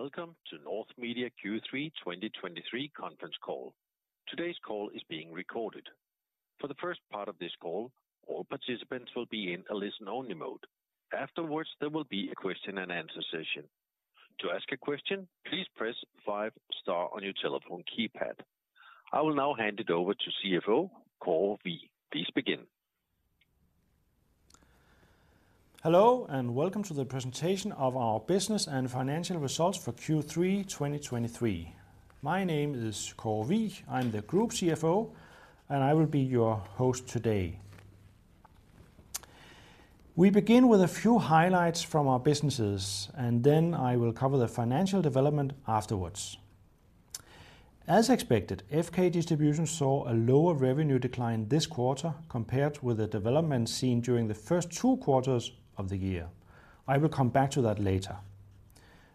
Welcome to North Media Q3 2023 Conference call. Today's call is being recorded. For the first part of this call, all participants will be in a listen-only mode. Afterwards, there will be a question and answer session. To ask a question, please press five star on your telephone keypad. I will now hand it over to CFO, Kåre Wigh. Please begin. Hello, and welcome to the presentation of our business and financial results for Q3 2023. My name is Kåre Wigh. I'm the Group CFO, and I will be your host today. We begin with a few highlights from our businesses, and then I will cover the financial development afterwards. As expected, FK Distribution saw a lower revenue decline this quarter compared with the development seen during the first two quarters of the year. I will come back to that later.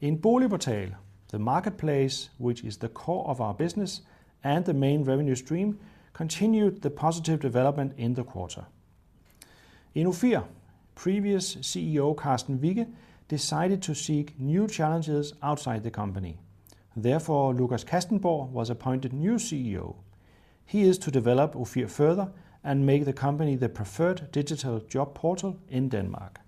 In BoligPortal, the marketplace, which is the core of our business and the main revenue stream, continued the positive development in the quarter. In Ofir, previous CEO, Karsten Vikke, decided to seek new challenges outside the company. Therefore, Lucas Carstensen Castenborg was appointed new CEO. He is to develop Ofir further and make the company the preferred digital job portal in Denmark.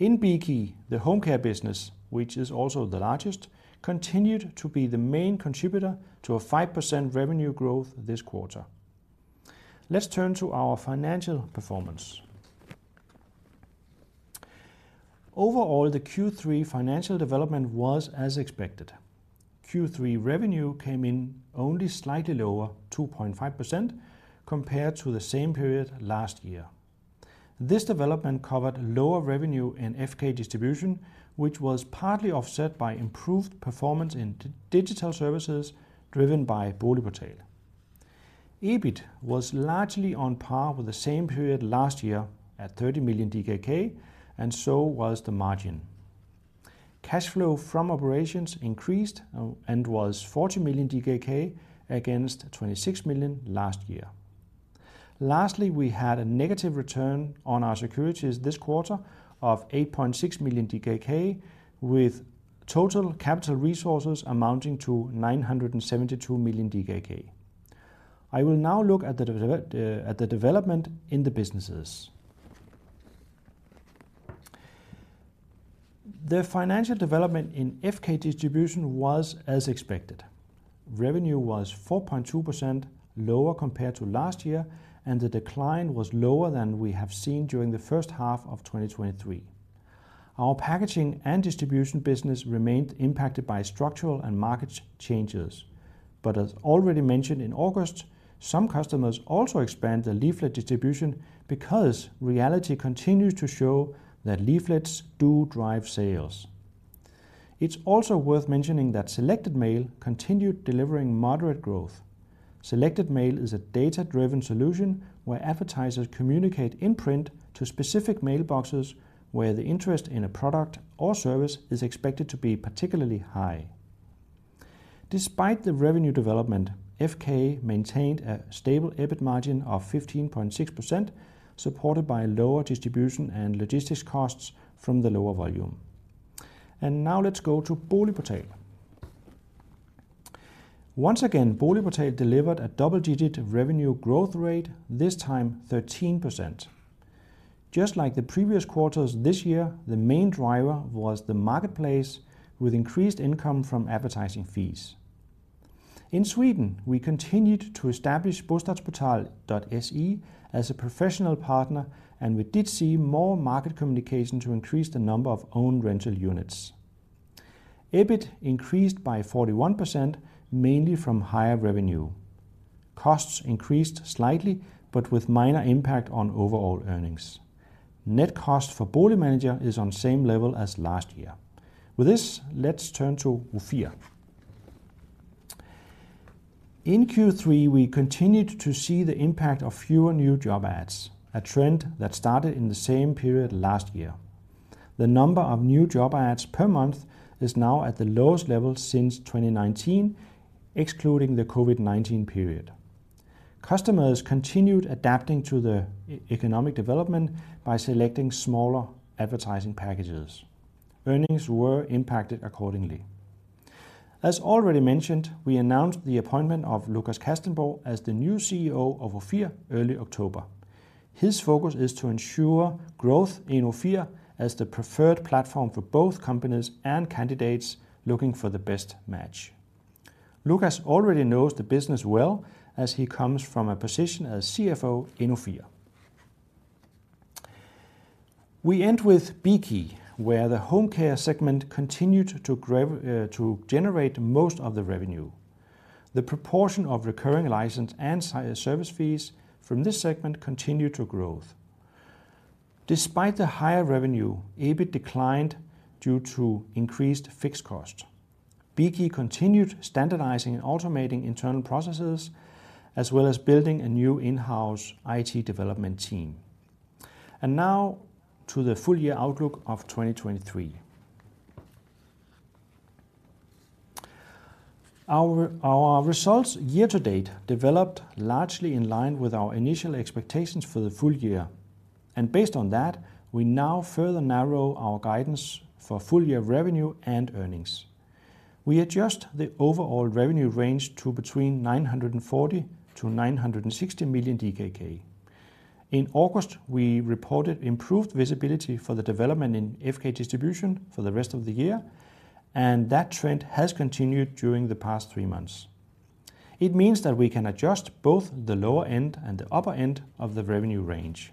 In Bekey, the home care business, which is also the largest, continued to be the main contributor to a 5% revenue growth this quarter. Let's turn to our financial performance. Overall, the Q3 financial development was as expected. Q3 revenue came in only slightly lower, 2.5%, compared to the same period last year. This development covered lower revenue in FK Distribution, which was partly offset by improved performance in digital services driven by BoligPortal. EBIT was largely on par with the same period last year at 30 million DKK, and so was the margin. Cash flow from operations increased and was 40 million DKK against 26 million last year. Lastly, we had a negative return on our securities this quarter of 8.6 million DKK, with total capital resources amounting to 972 million DKK. I will now look at the development in the businesses. The financial development in FK Distribution was as expected. Revenue was 4.2% lower compared to last year, and the decline was lower than we have seen during the first half of 2023. Our packaging and distribution business remained impacted by structural and market changes. But as already mentioned in August, some customers also expanded the leaflet distribution because reality continues to show that leaflets do drive sales. It's also worth mentioning that Selected Mail continued delivering moderate growth. Selected Mail is a data-driven solution where advertisers communicate in print to specific mailboxes, where the interest in a product or service is expected to be particularly high. Despite the revenue development, FK maintained a stable EBIT margin of 15.6%, supported by lower distribution and logistics costs from the lower volume. Now let's go to BoligPortal. Once again, BoligPortal delivered a double-digit revenue growth rate, this time 13%. Just like the previous quarters this year, the main driver was the marketplace, with increased income from advertising fees. In Sweden, we continued to establish BostadsPortal.se as a professional partner, and we did see more market communication to increase the number of own rental units. EBIT increased by 41%, mainly from higher revenue. Costs increased slightly, but with minor impact on overall earnings. Net cost for BoligManager is on same level as last year. With this, let's turn to Ofir. In Q3, we continued to see the impact of fewer new job ads, a trend that started in the same period last year. The number of new job ads per month is now at the lowest level since 2019, excluding the COVID-19 period. Customers continued adapting to the economic development by selecting smaller advertising packages. Earnings were impacted accordingly. As already mentioned, we announced the appointment of Lucas Carstensen Castenborg as the new CEO of Ofir early October. His focus is to ensure growth in Ofir as the preferred platform for both companies and candidates looking for the best match. Lucas already knows the business well, as he comes from a position as CFO in Ofir. We end with Bekey, where the home care segment continued to generate most of the revenue. The proportion of recurring license and service fees from this segment continued to grow. Despite the higher revenue, EBIT declined due to increased fixed costs. Bekey continued standardizing and automating internal processes, as well as building a new in-house IT development team. Now to the full year outlook of 2023.... Our results year to date developed largely in line with our initial expectations for the full year, and based on that, we now further narrow our guidance for full year revenue and earnings. We adjust the overall revenue range to between 940 million and 960 million DKK. In August, we reported improved visibility for the development in FK Distribution for the rest of the year, and that trend has continued during the past three months. It means that we can adjust both the lower end and the upper end of the revenue range.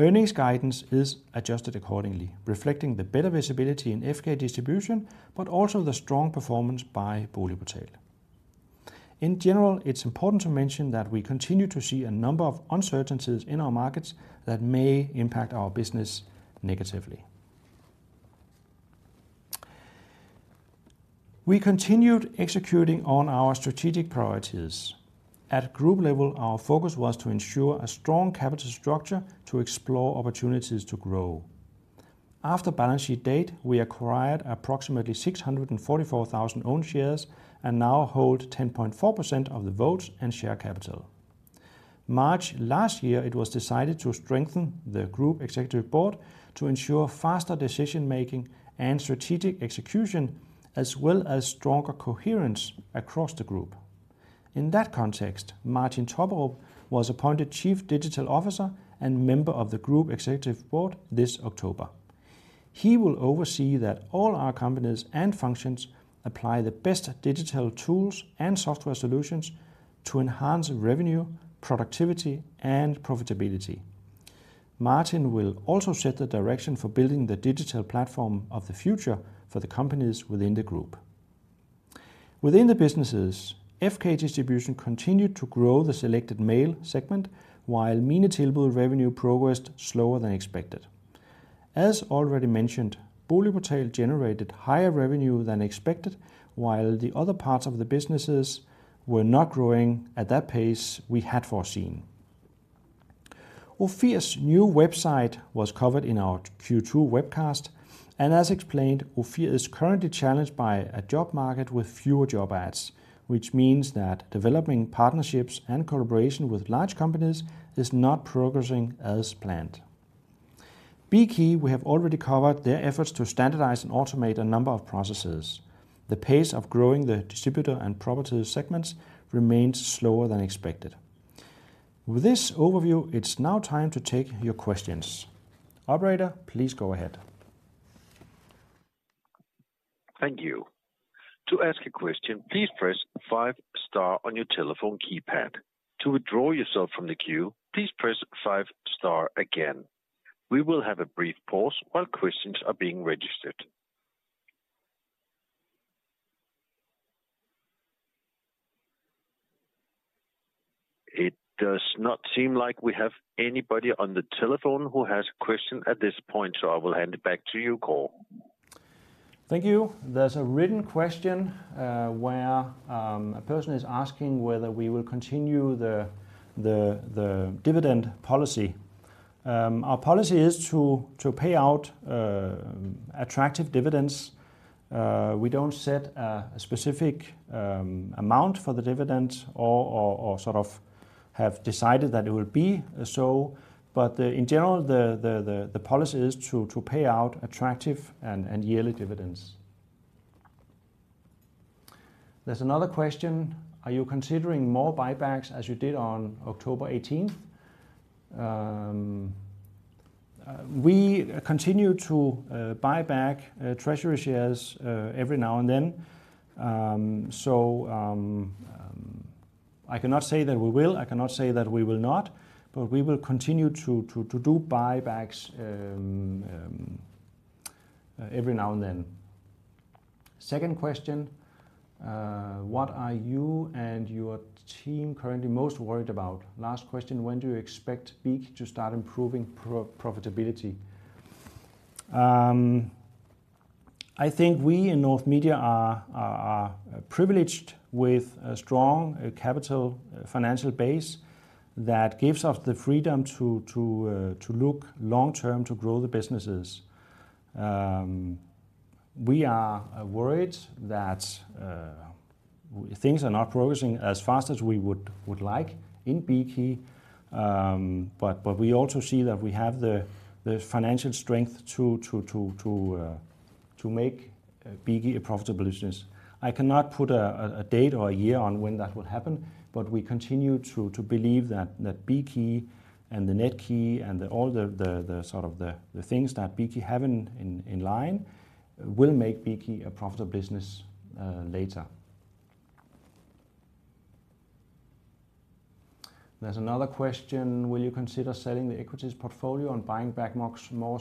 Earnings guidance is adjusted accordingly, reflecting the better visibility in FK Distribution, but also the strong performance by BoligPortal. In general, it's important to mention that we continue to see a number of uncertainties in our markets that may impact our business negatively. We continued executing on our strategic priorities. At group level, our focus was to ensure a strong capital structure to explore opportunities to grow. After balance sheet date, we acquired approximately 644,000 own shares and now hold 10.4% of the votes and share capital. March last year, it was decided to strengthen the group executive board to ensure faster decision making and strategic execution, as well as stronger coherence across the group. In that context, Martin Tobberup was appointed Chief Digital Officer and member of the Group Executive Board this October. He will oversee that all our companies and functions apply the best digital tools and software solutions to enhance revenue, productivity, and profitability. Martin will also set the direction for building the digital platform of the future for the companies within the group. Within the businesses, FK Distribution continued to grow the selected mail segment, while minetilbud revenue progressed slower than expected. As already mentioned, BoligPortal generated higher revenue than expected, while the other parts of the businesses were not growing at that pace we had foreseen. Ofir's new website was covered in our Q2 webcast, and as explained, Ofir is currently challenged by a job market with fewer job ads, which means that developing partnerships and collaboration with large companies is not progressing as planned. Bekey, we have already covered their efforts to standardize and automate a number of processes. The pace of growing the distributor and property segments remains slower than expected. With this overview, it's now time to take your questions. Operator, please go ahead. Thank you. To ask a question, please press five star on your telephone keypad. To withdraw yourself from the queue, please press five star again. We will have a brief pause while questions are being registered. It does not seem like we have anybody on the telephone who has a question at this point, so I will hand it back to you, Kåre. Thank you. There's a written question, where a person is asking whether we will continue the dividend policy. Our policy is to pay out attractive dividends. We don't set a specific amount for the dividend or sort of have decided that it will be so. But in general, the policy is to pay out attractive and yearly dividends. There's another question: Are you considering more buybacks as you did on October 18th? We continue to buy back treasury shares every now and then. So, I cannot say that we will, I cannot say that we will not, but we will continue to do buybacks every now and then. Second question, what are you and your team currently most worried about? Last question: When do you expect Bekey to start improving proprofitability? I think we in North Media are privileged with a strong capital financial base that gives us the freedom to look long term to grow the businesses. We are worried that things are not progressing as fast as we would like in Bekey. But we also see that we have the financial strength to make Bekey a profitable business. I cannot put a date or a year on when that will happen, but we continue to believe that Bekey and the Netkey and all the sort of the things that Bekey have in line will make Bekey a profitable business, later. There's another question: Will you consider selling the equities portfolio and buying back more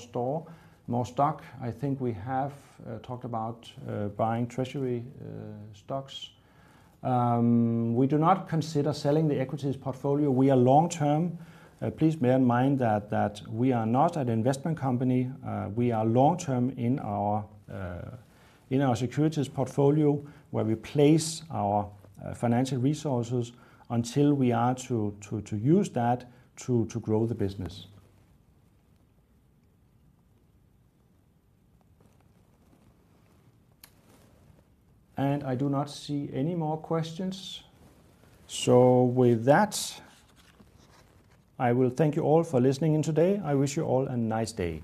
stock? I think we have talked about buying treasury stocks. We do not consider selling the equities portfolio. We are long term. Please bear in mind that we are not an investment company. We are long term in our securities portfolio, where we place our financial resources until we are to use that to grow the business. And I do not see any more questions. So with that, I will thank you all for listening in today. I wish you all a nice day.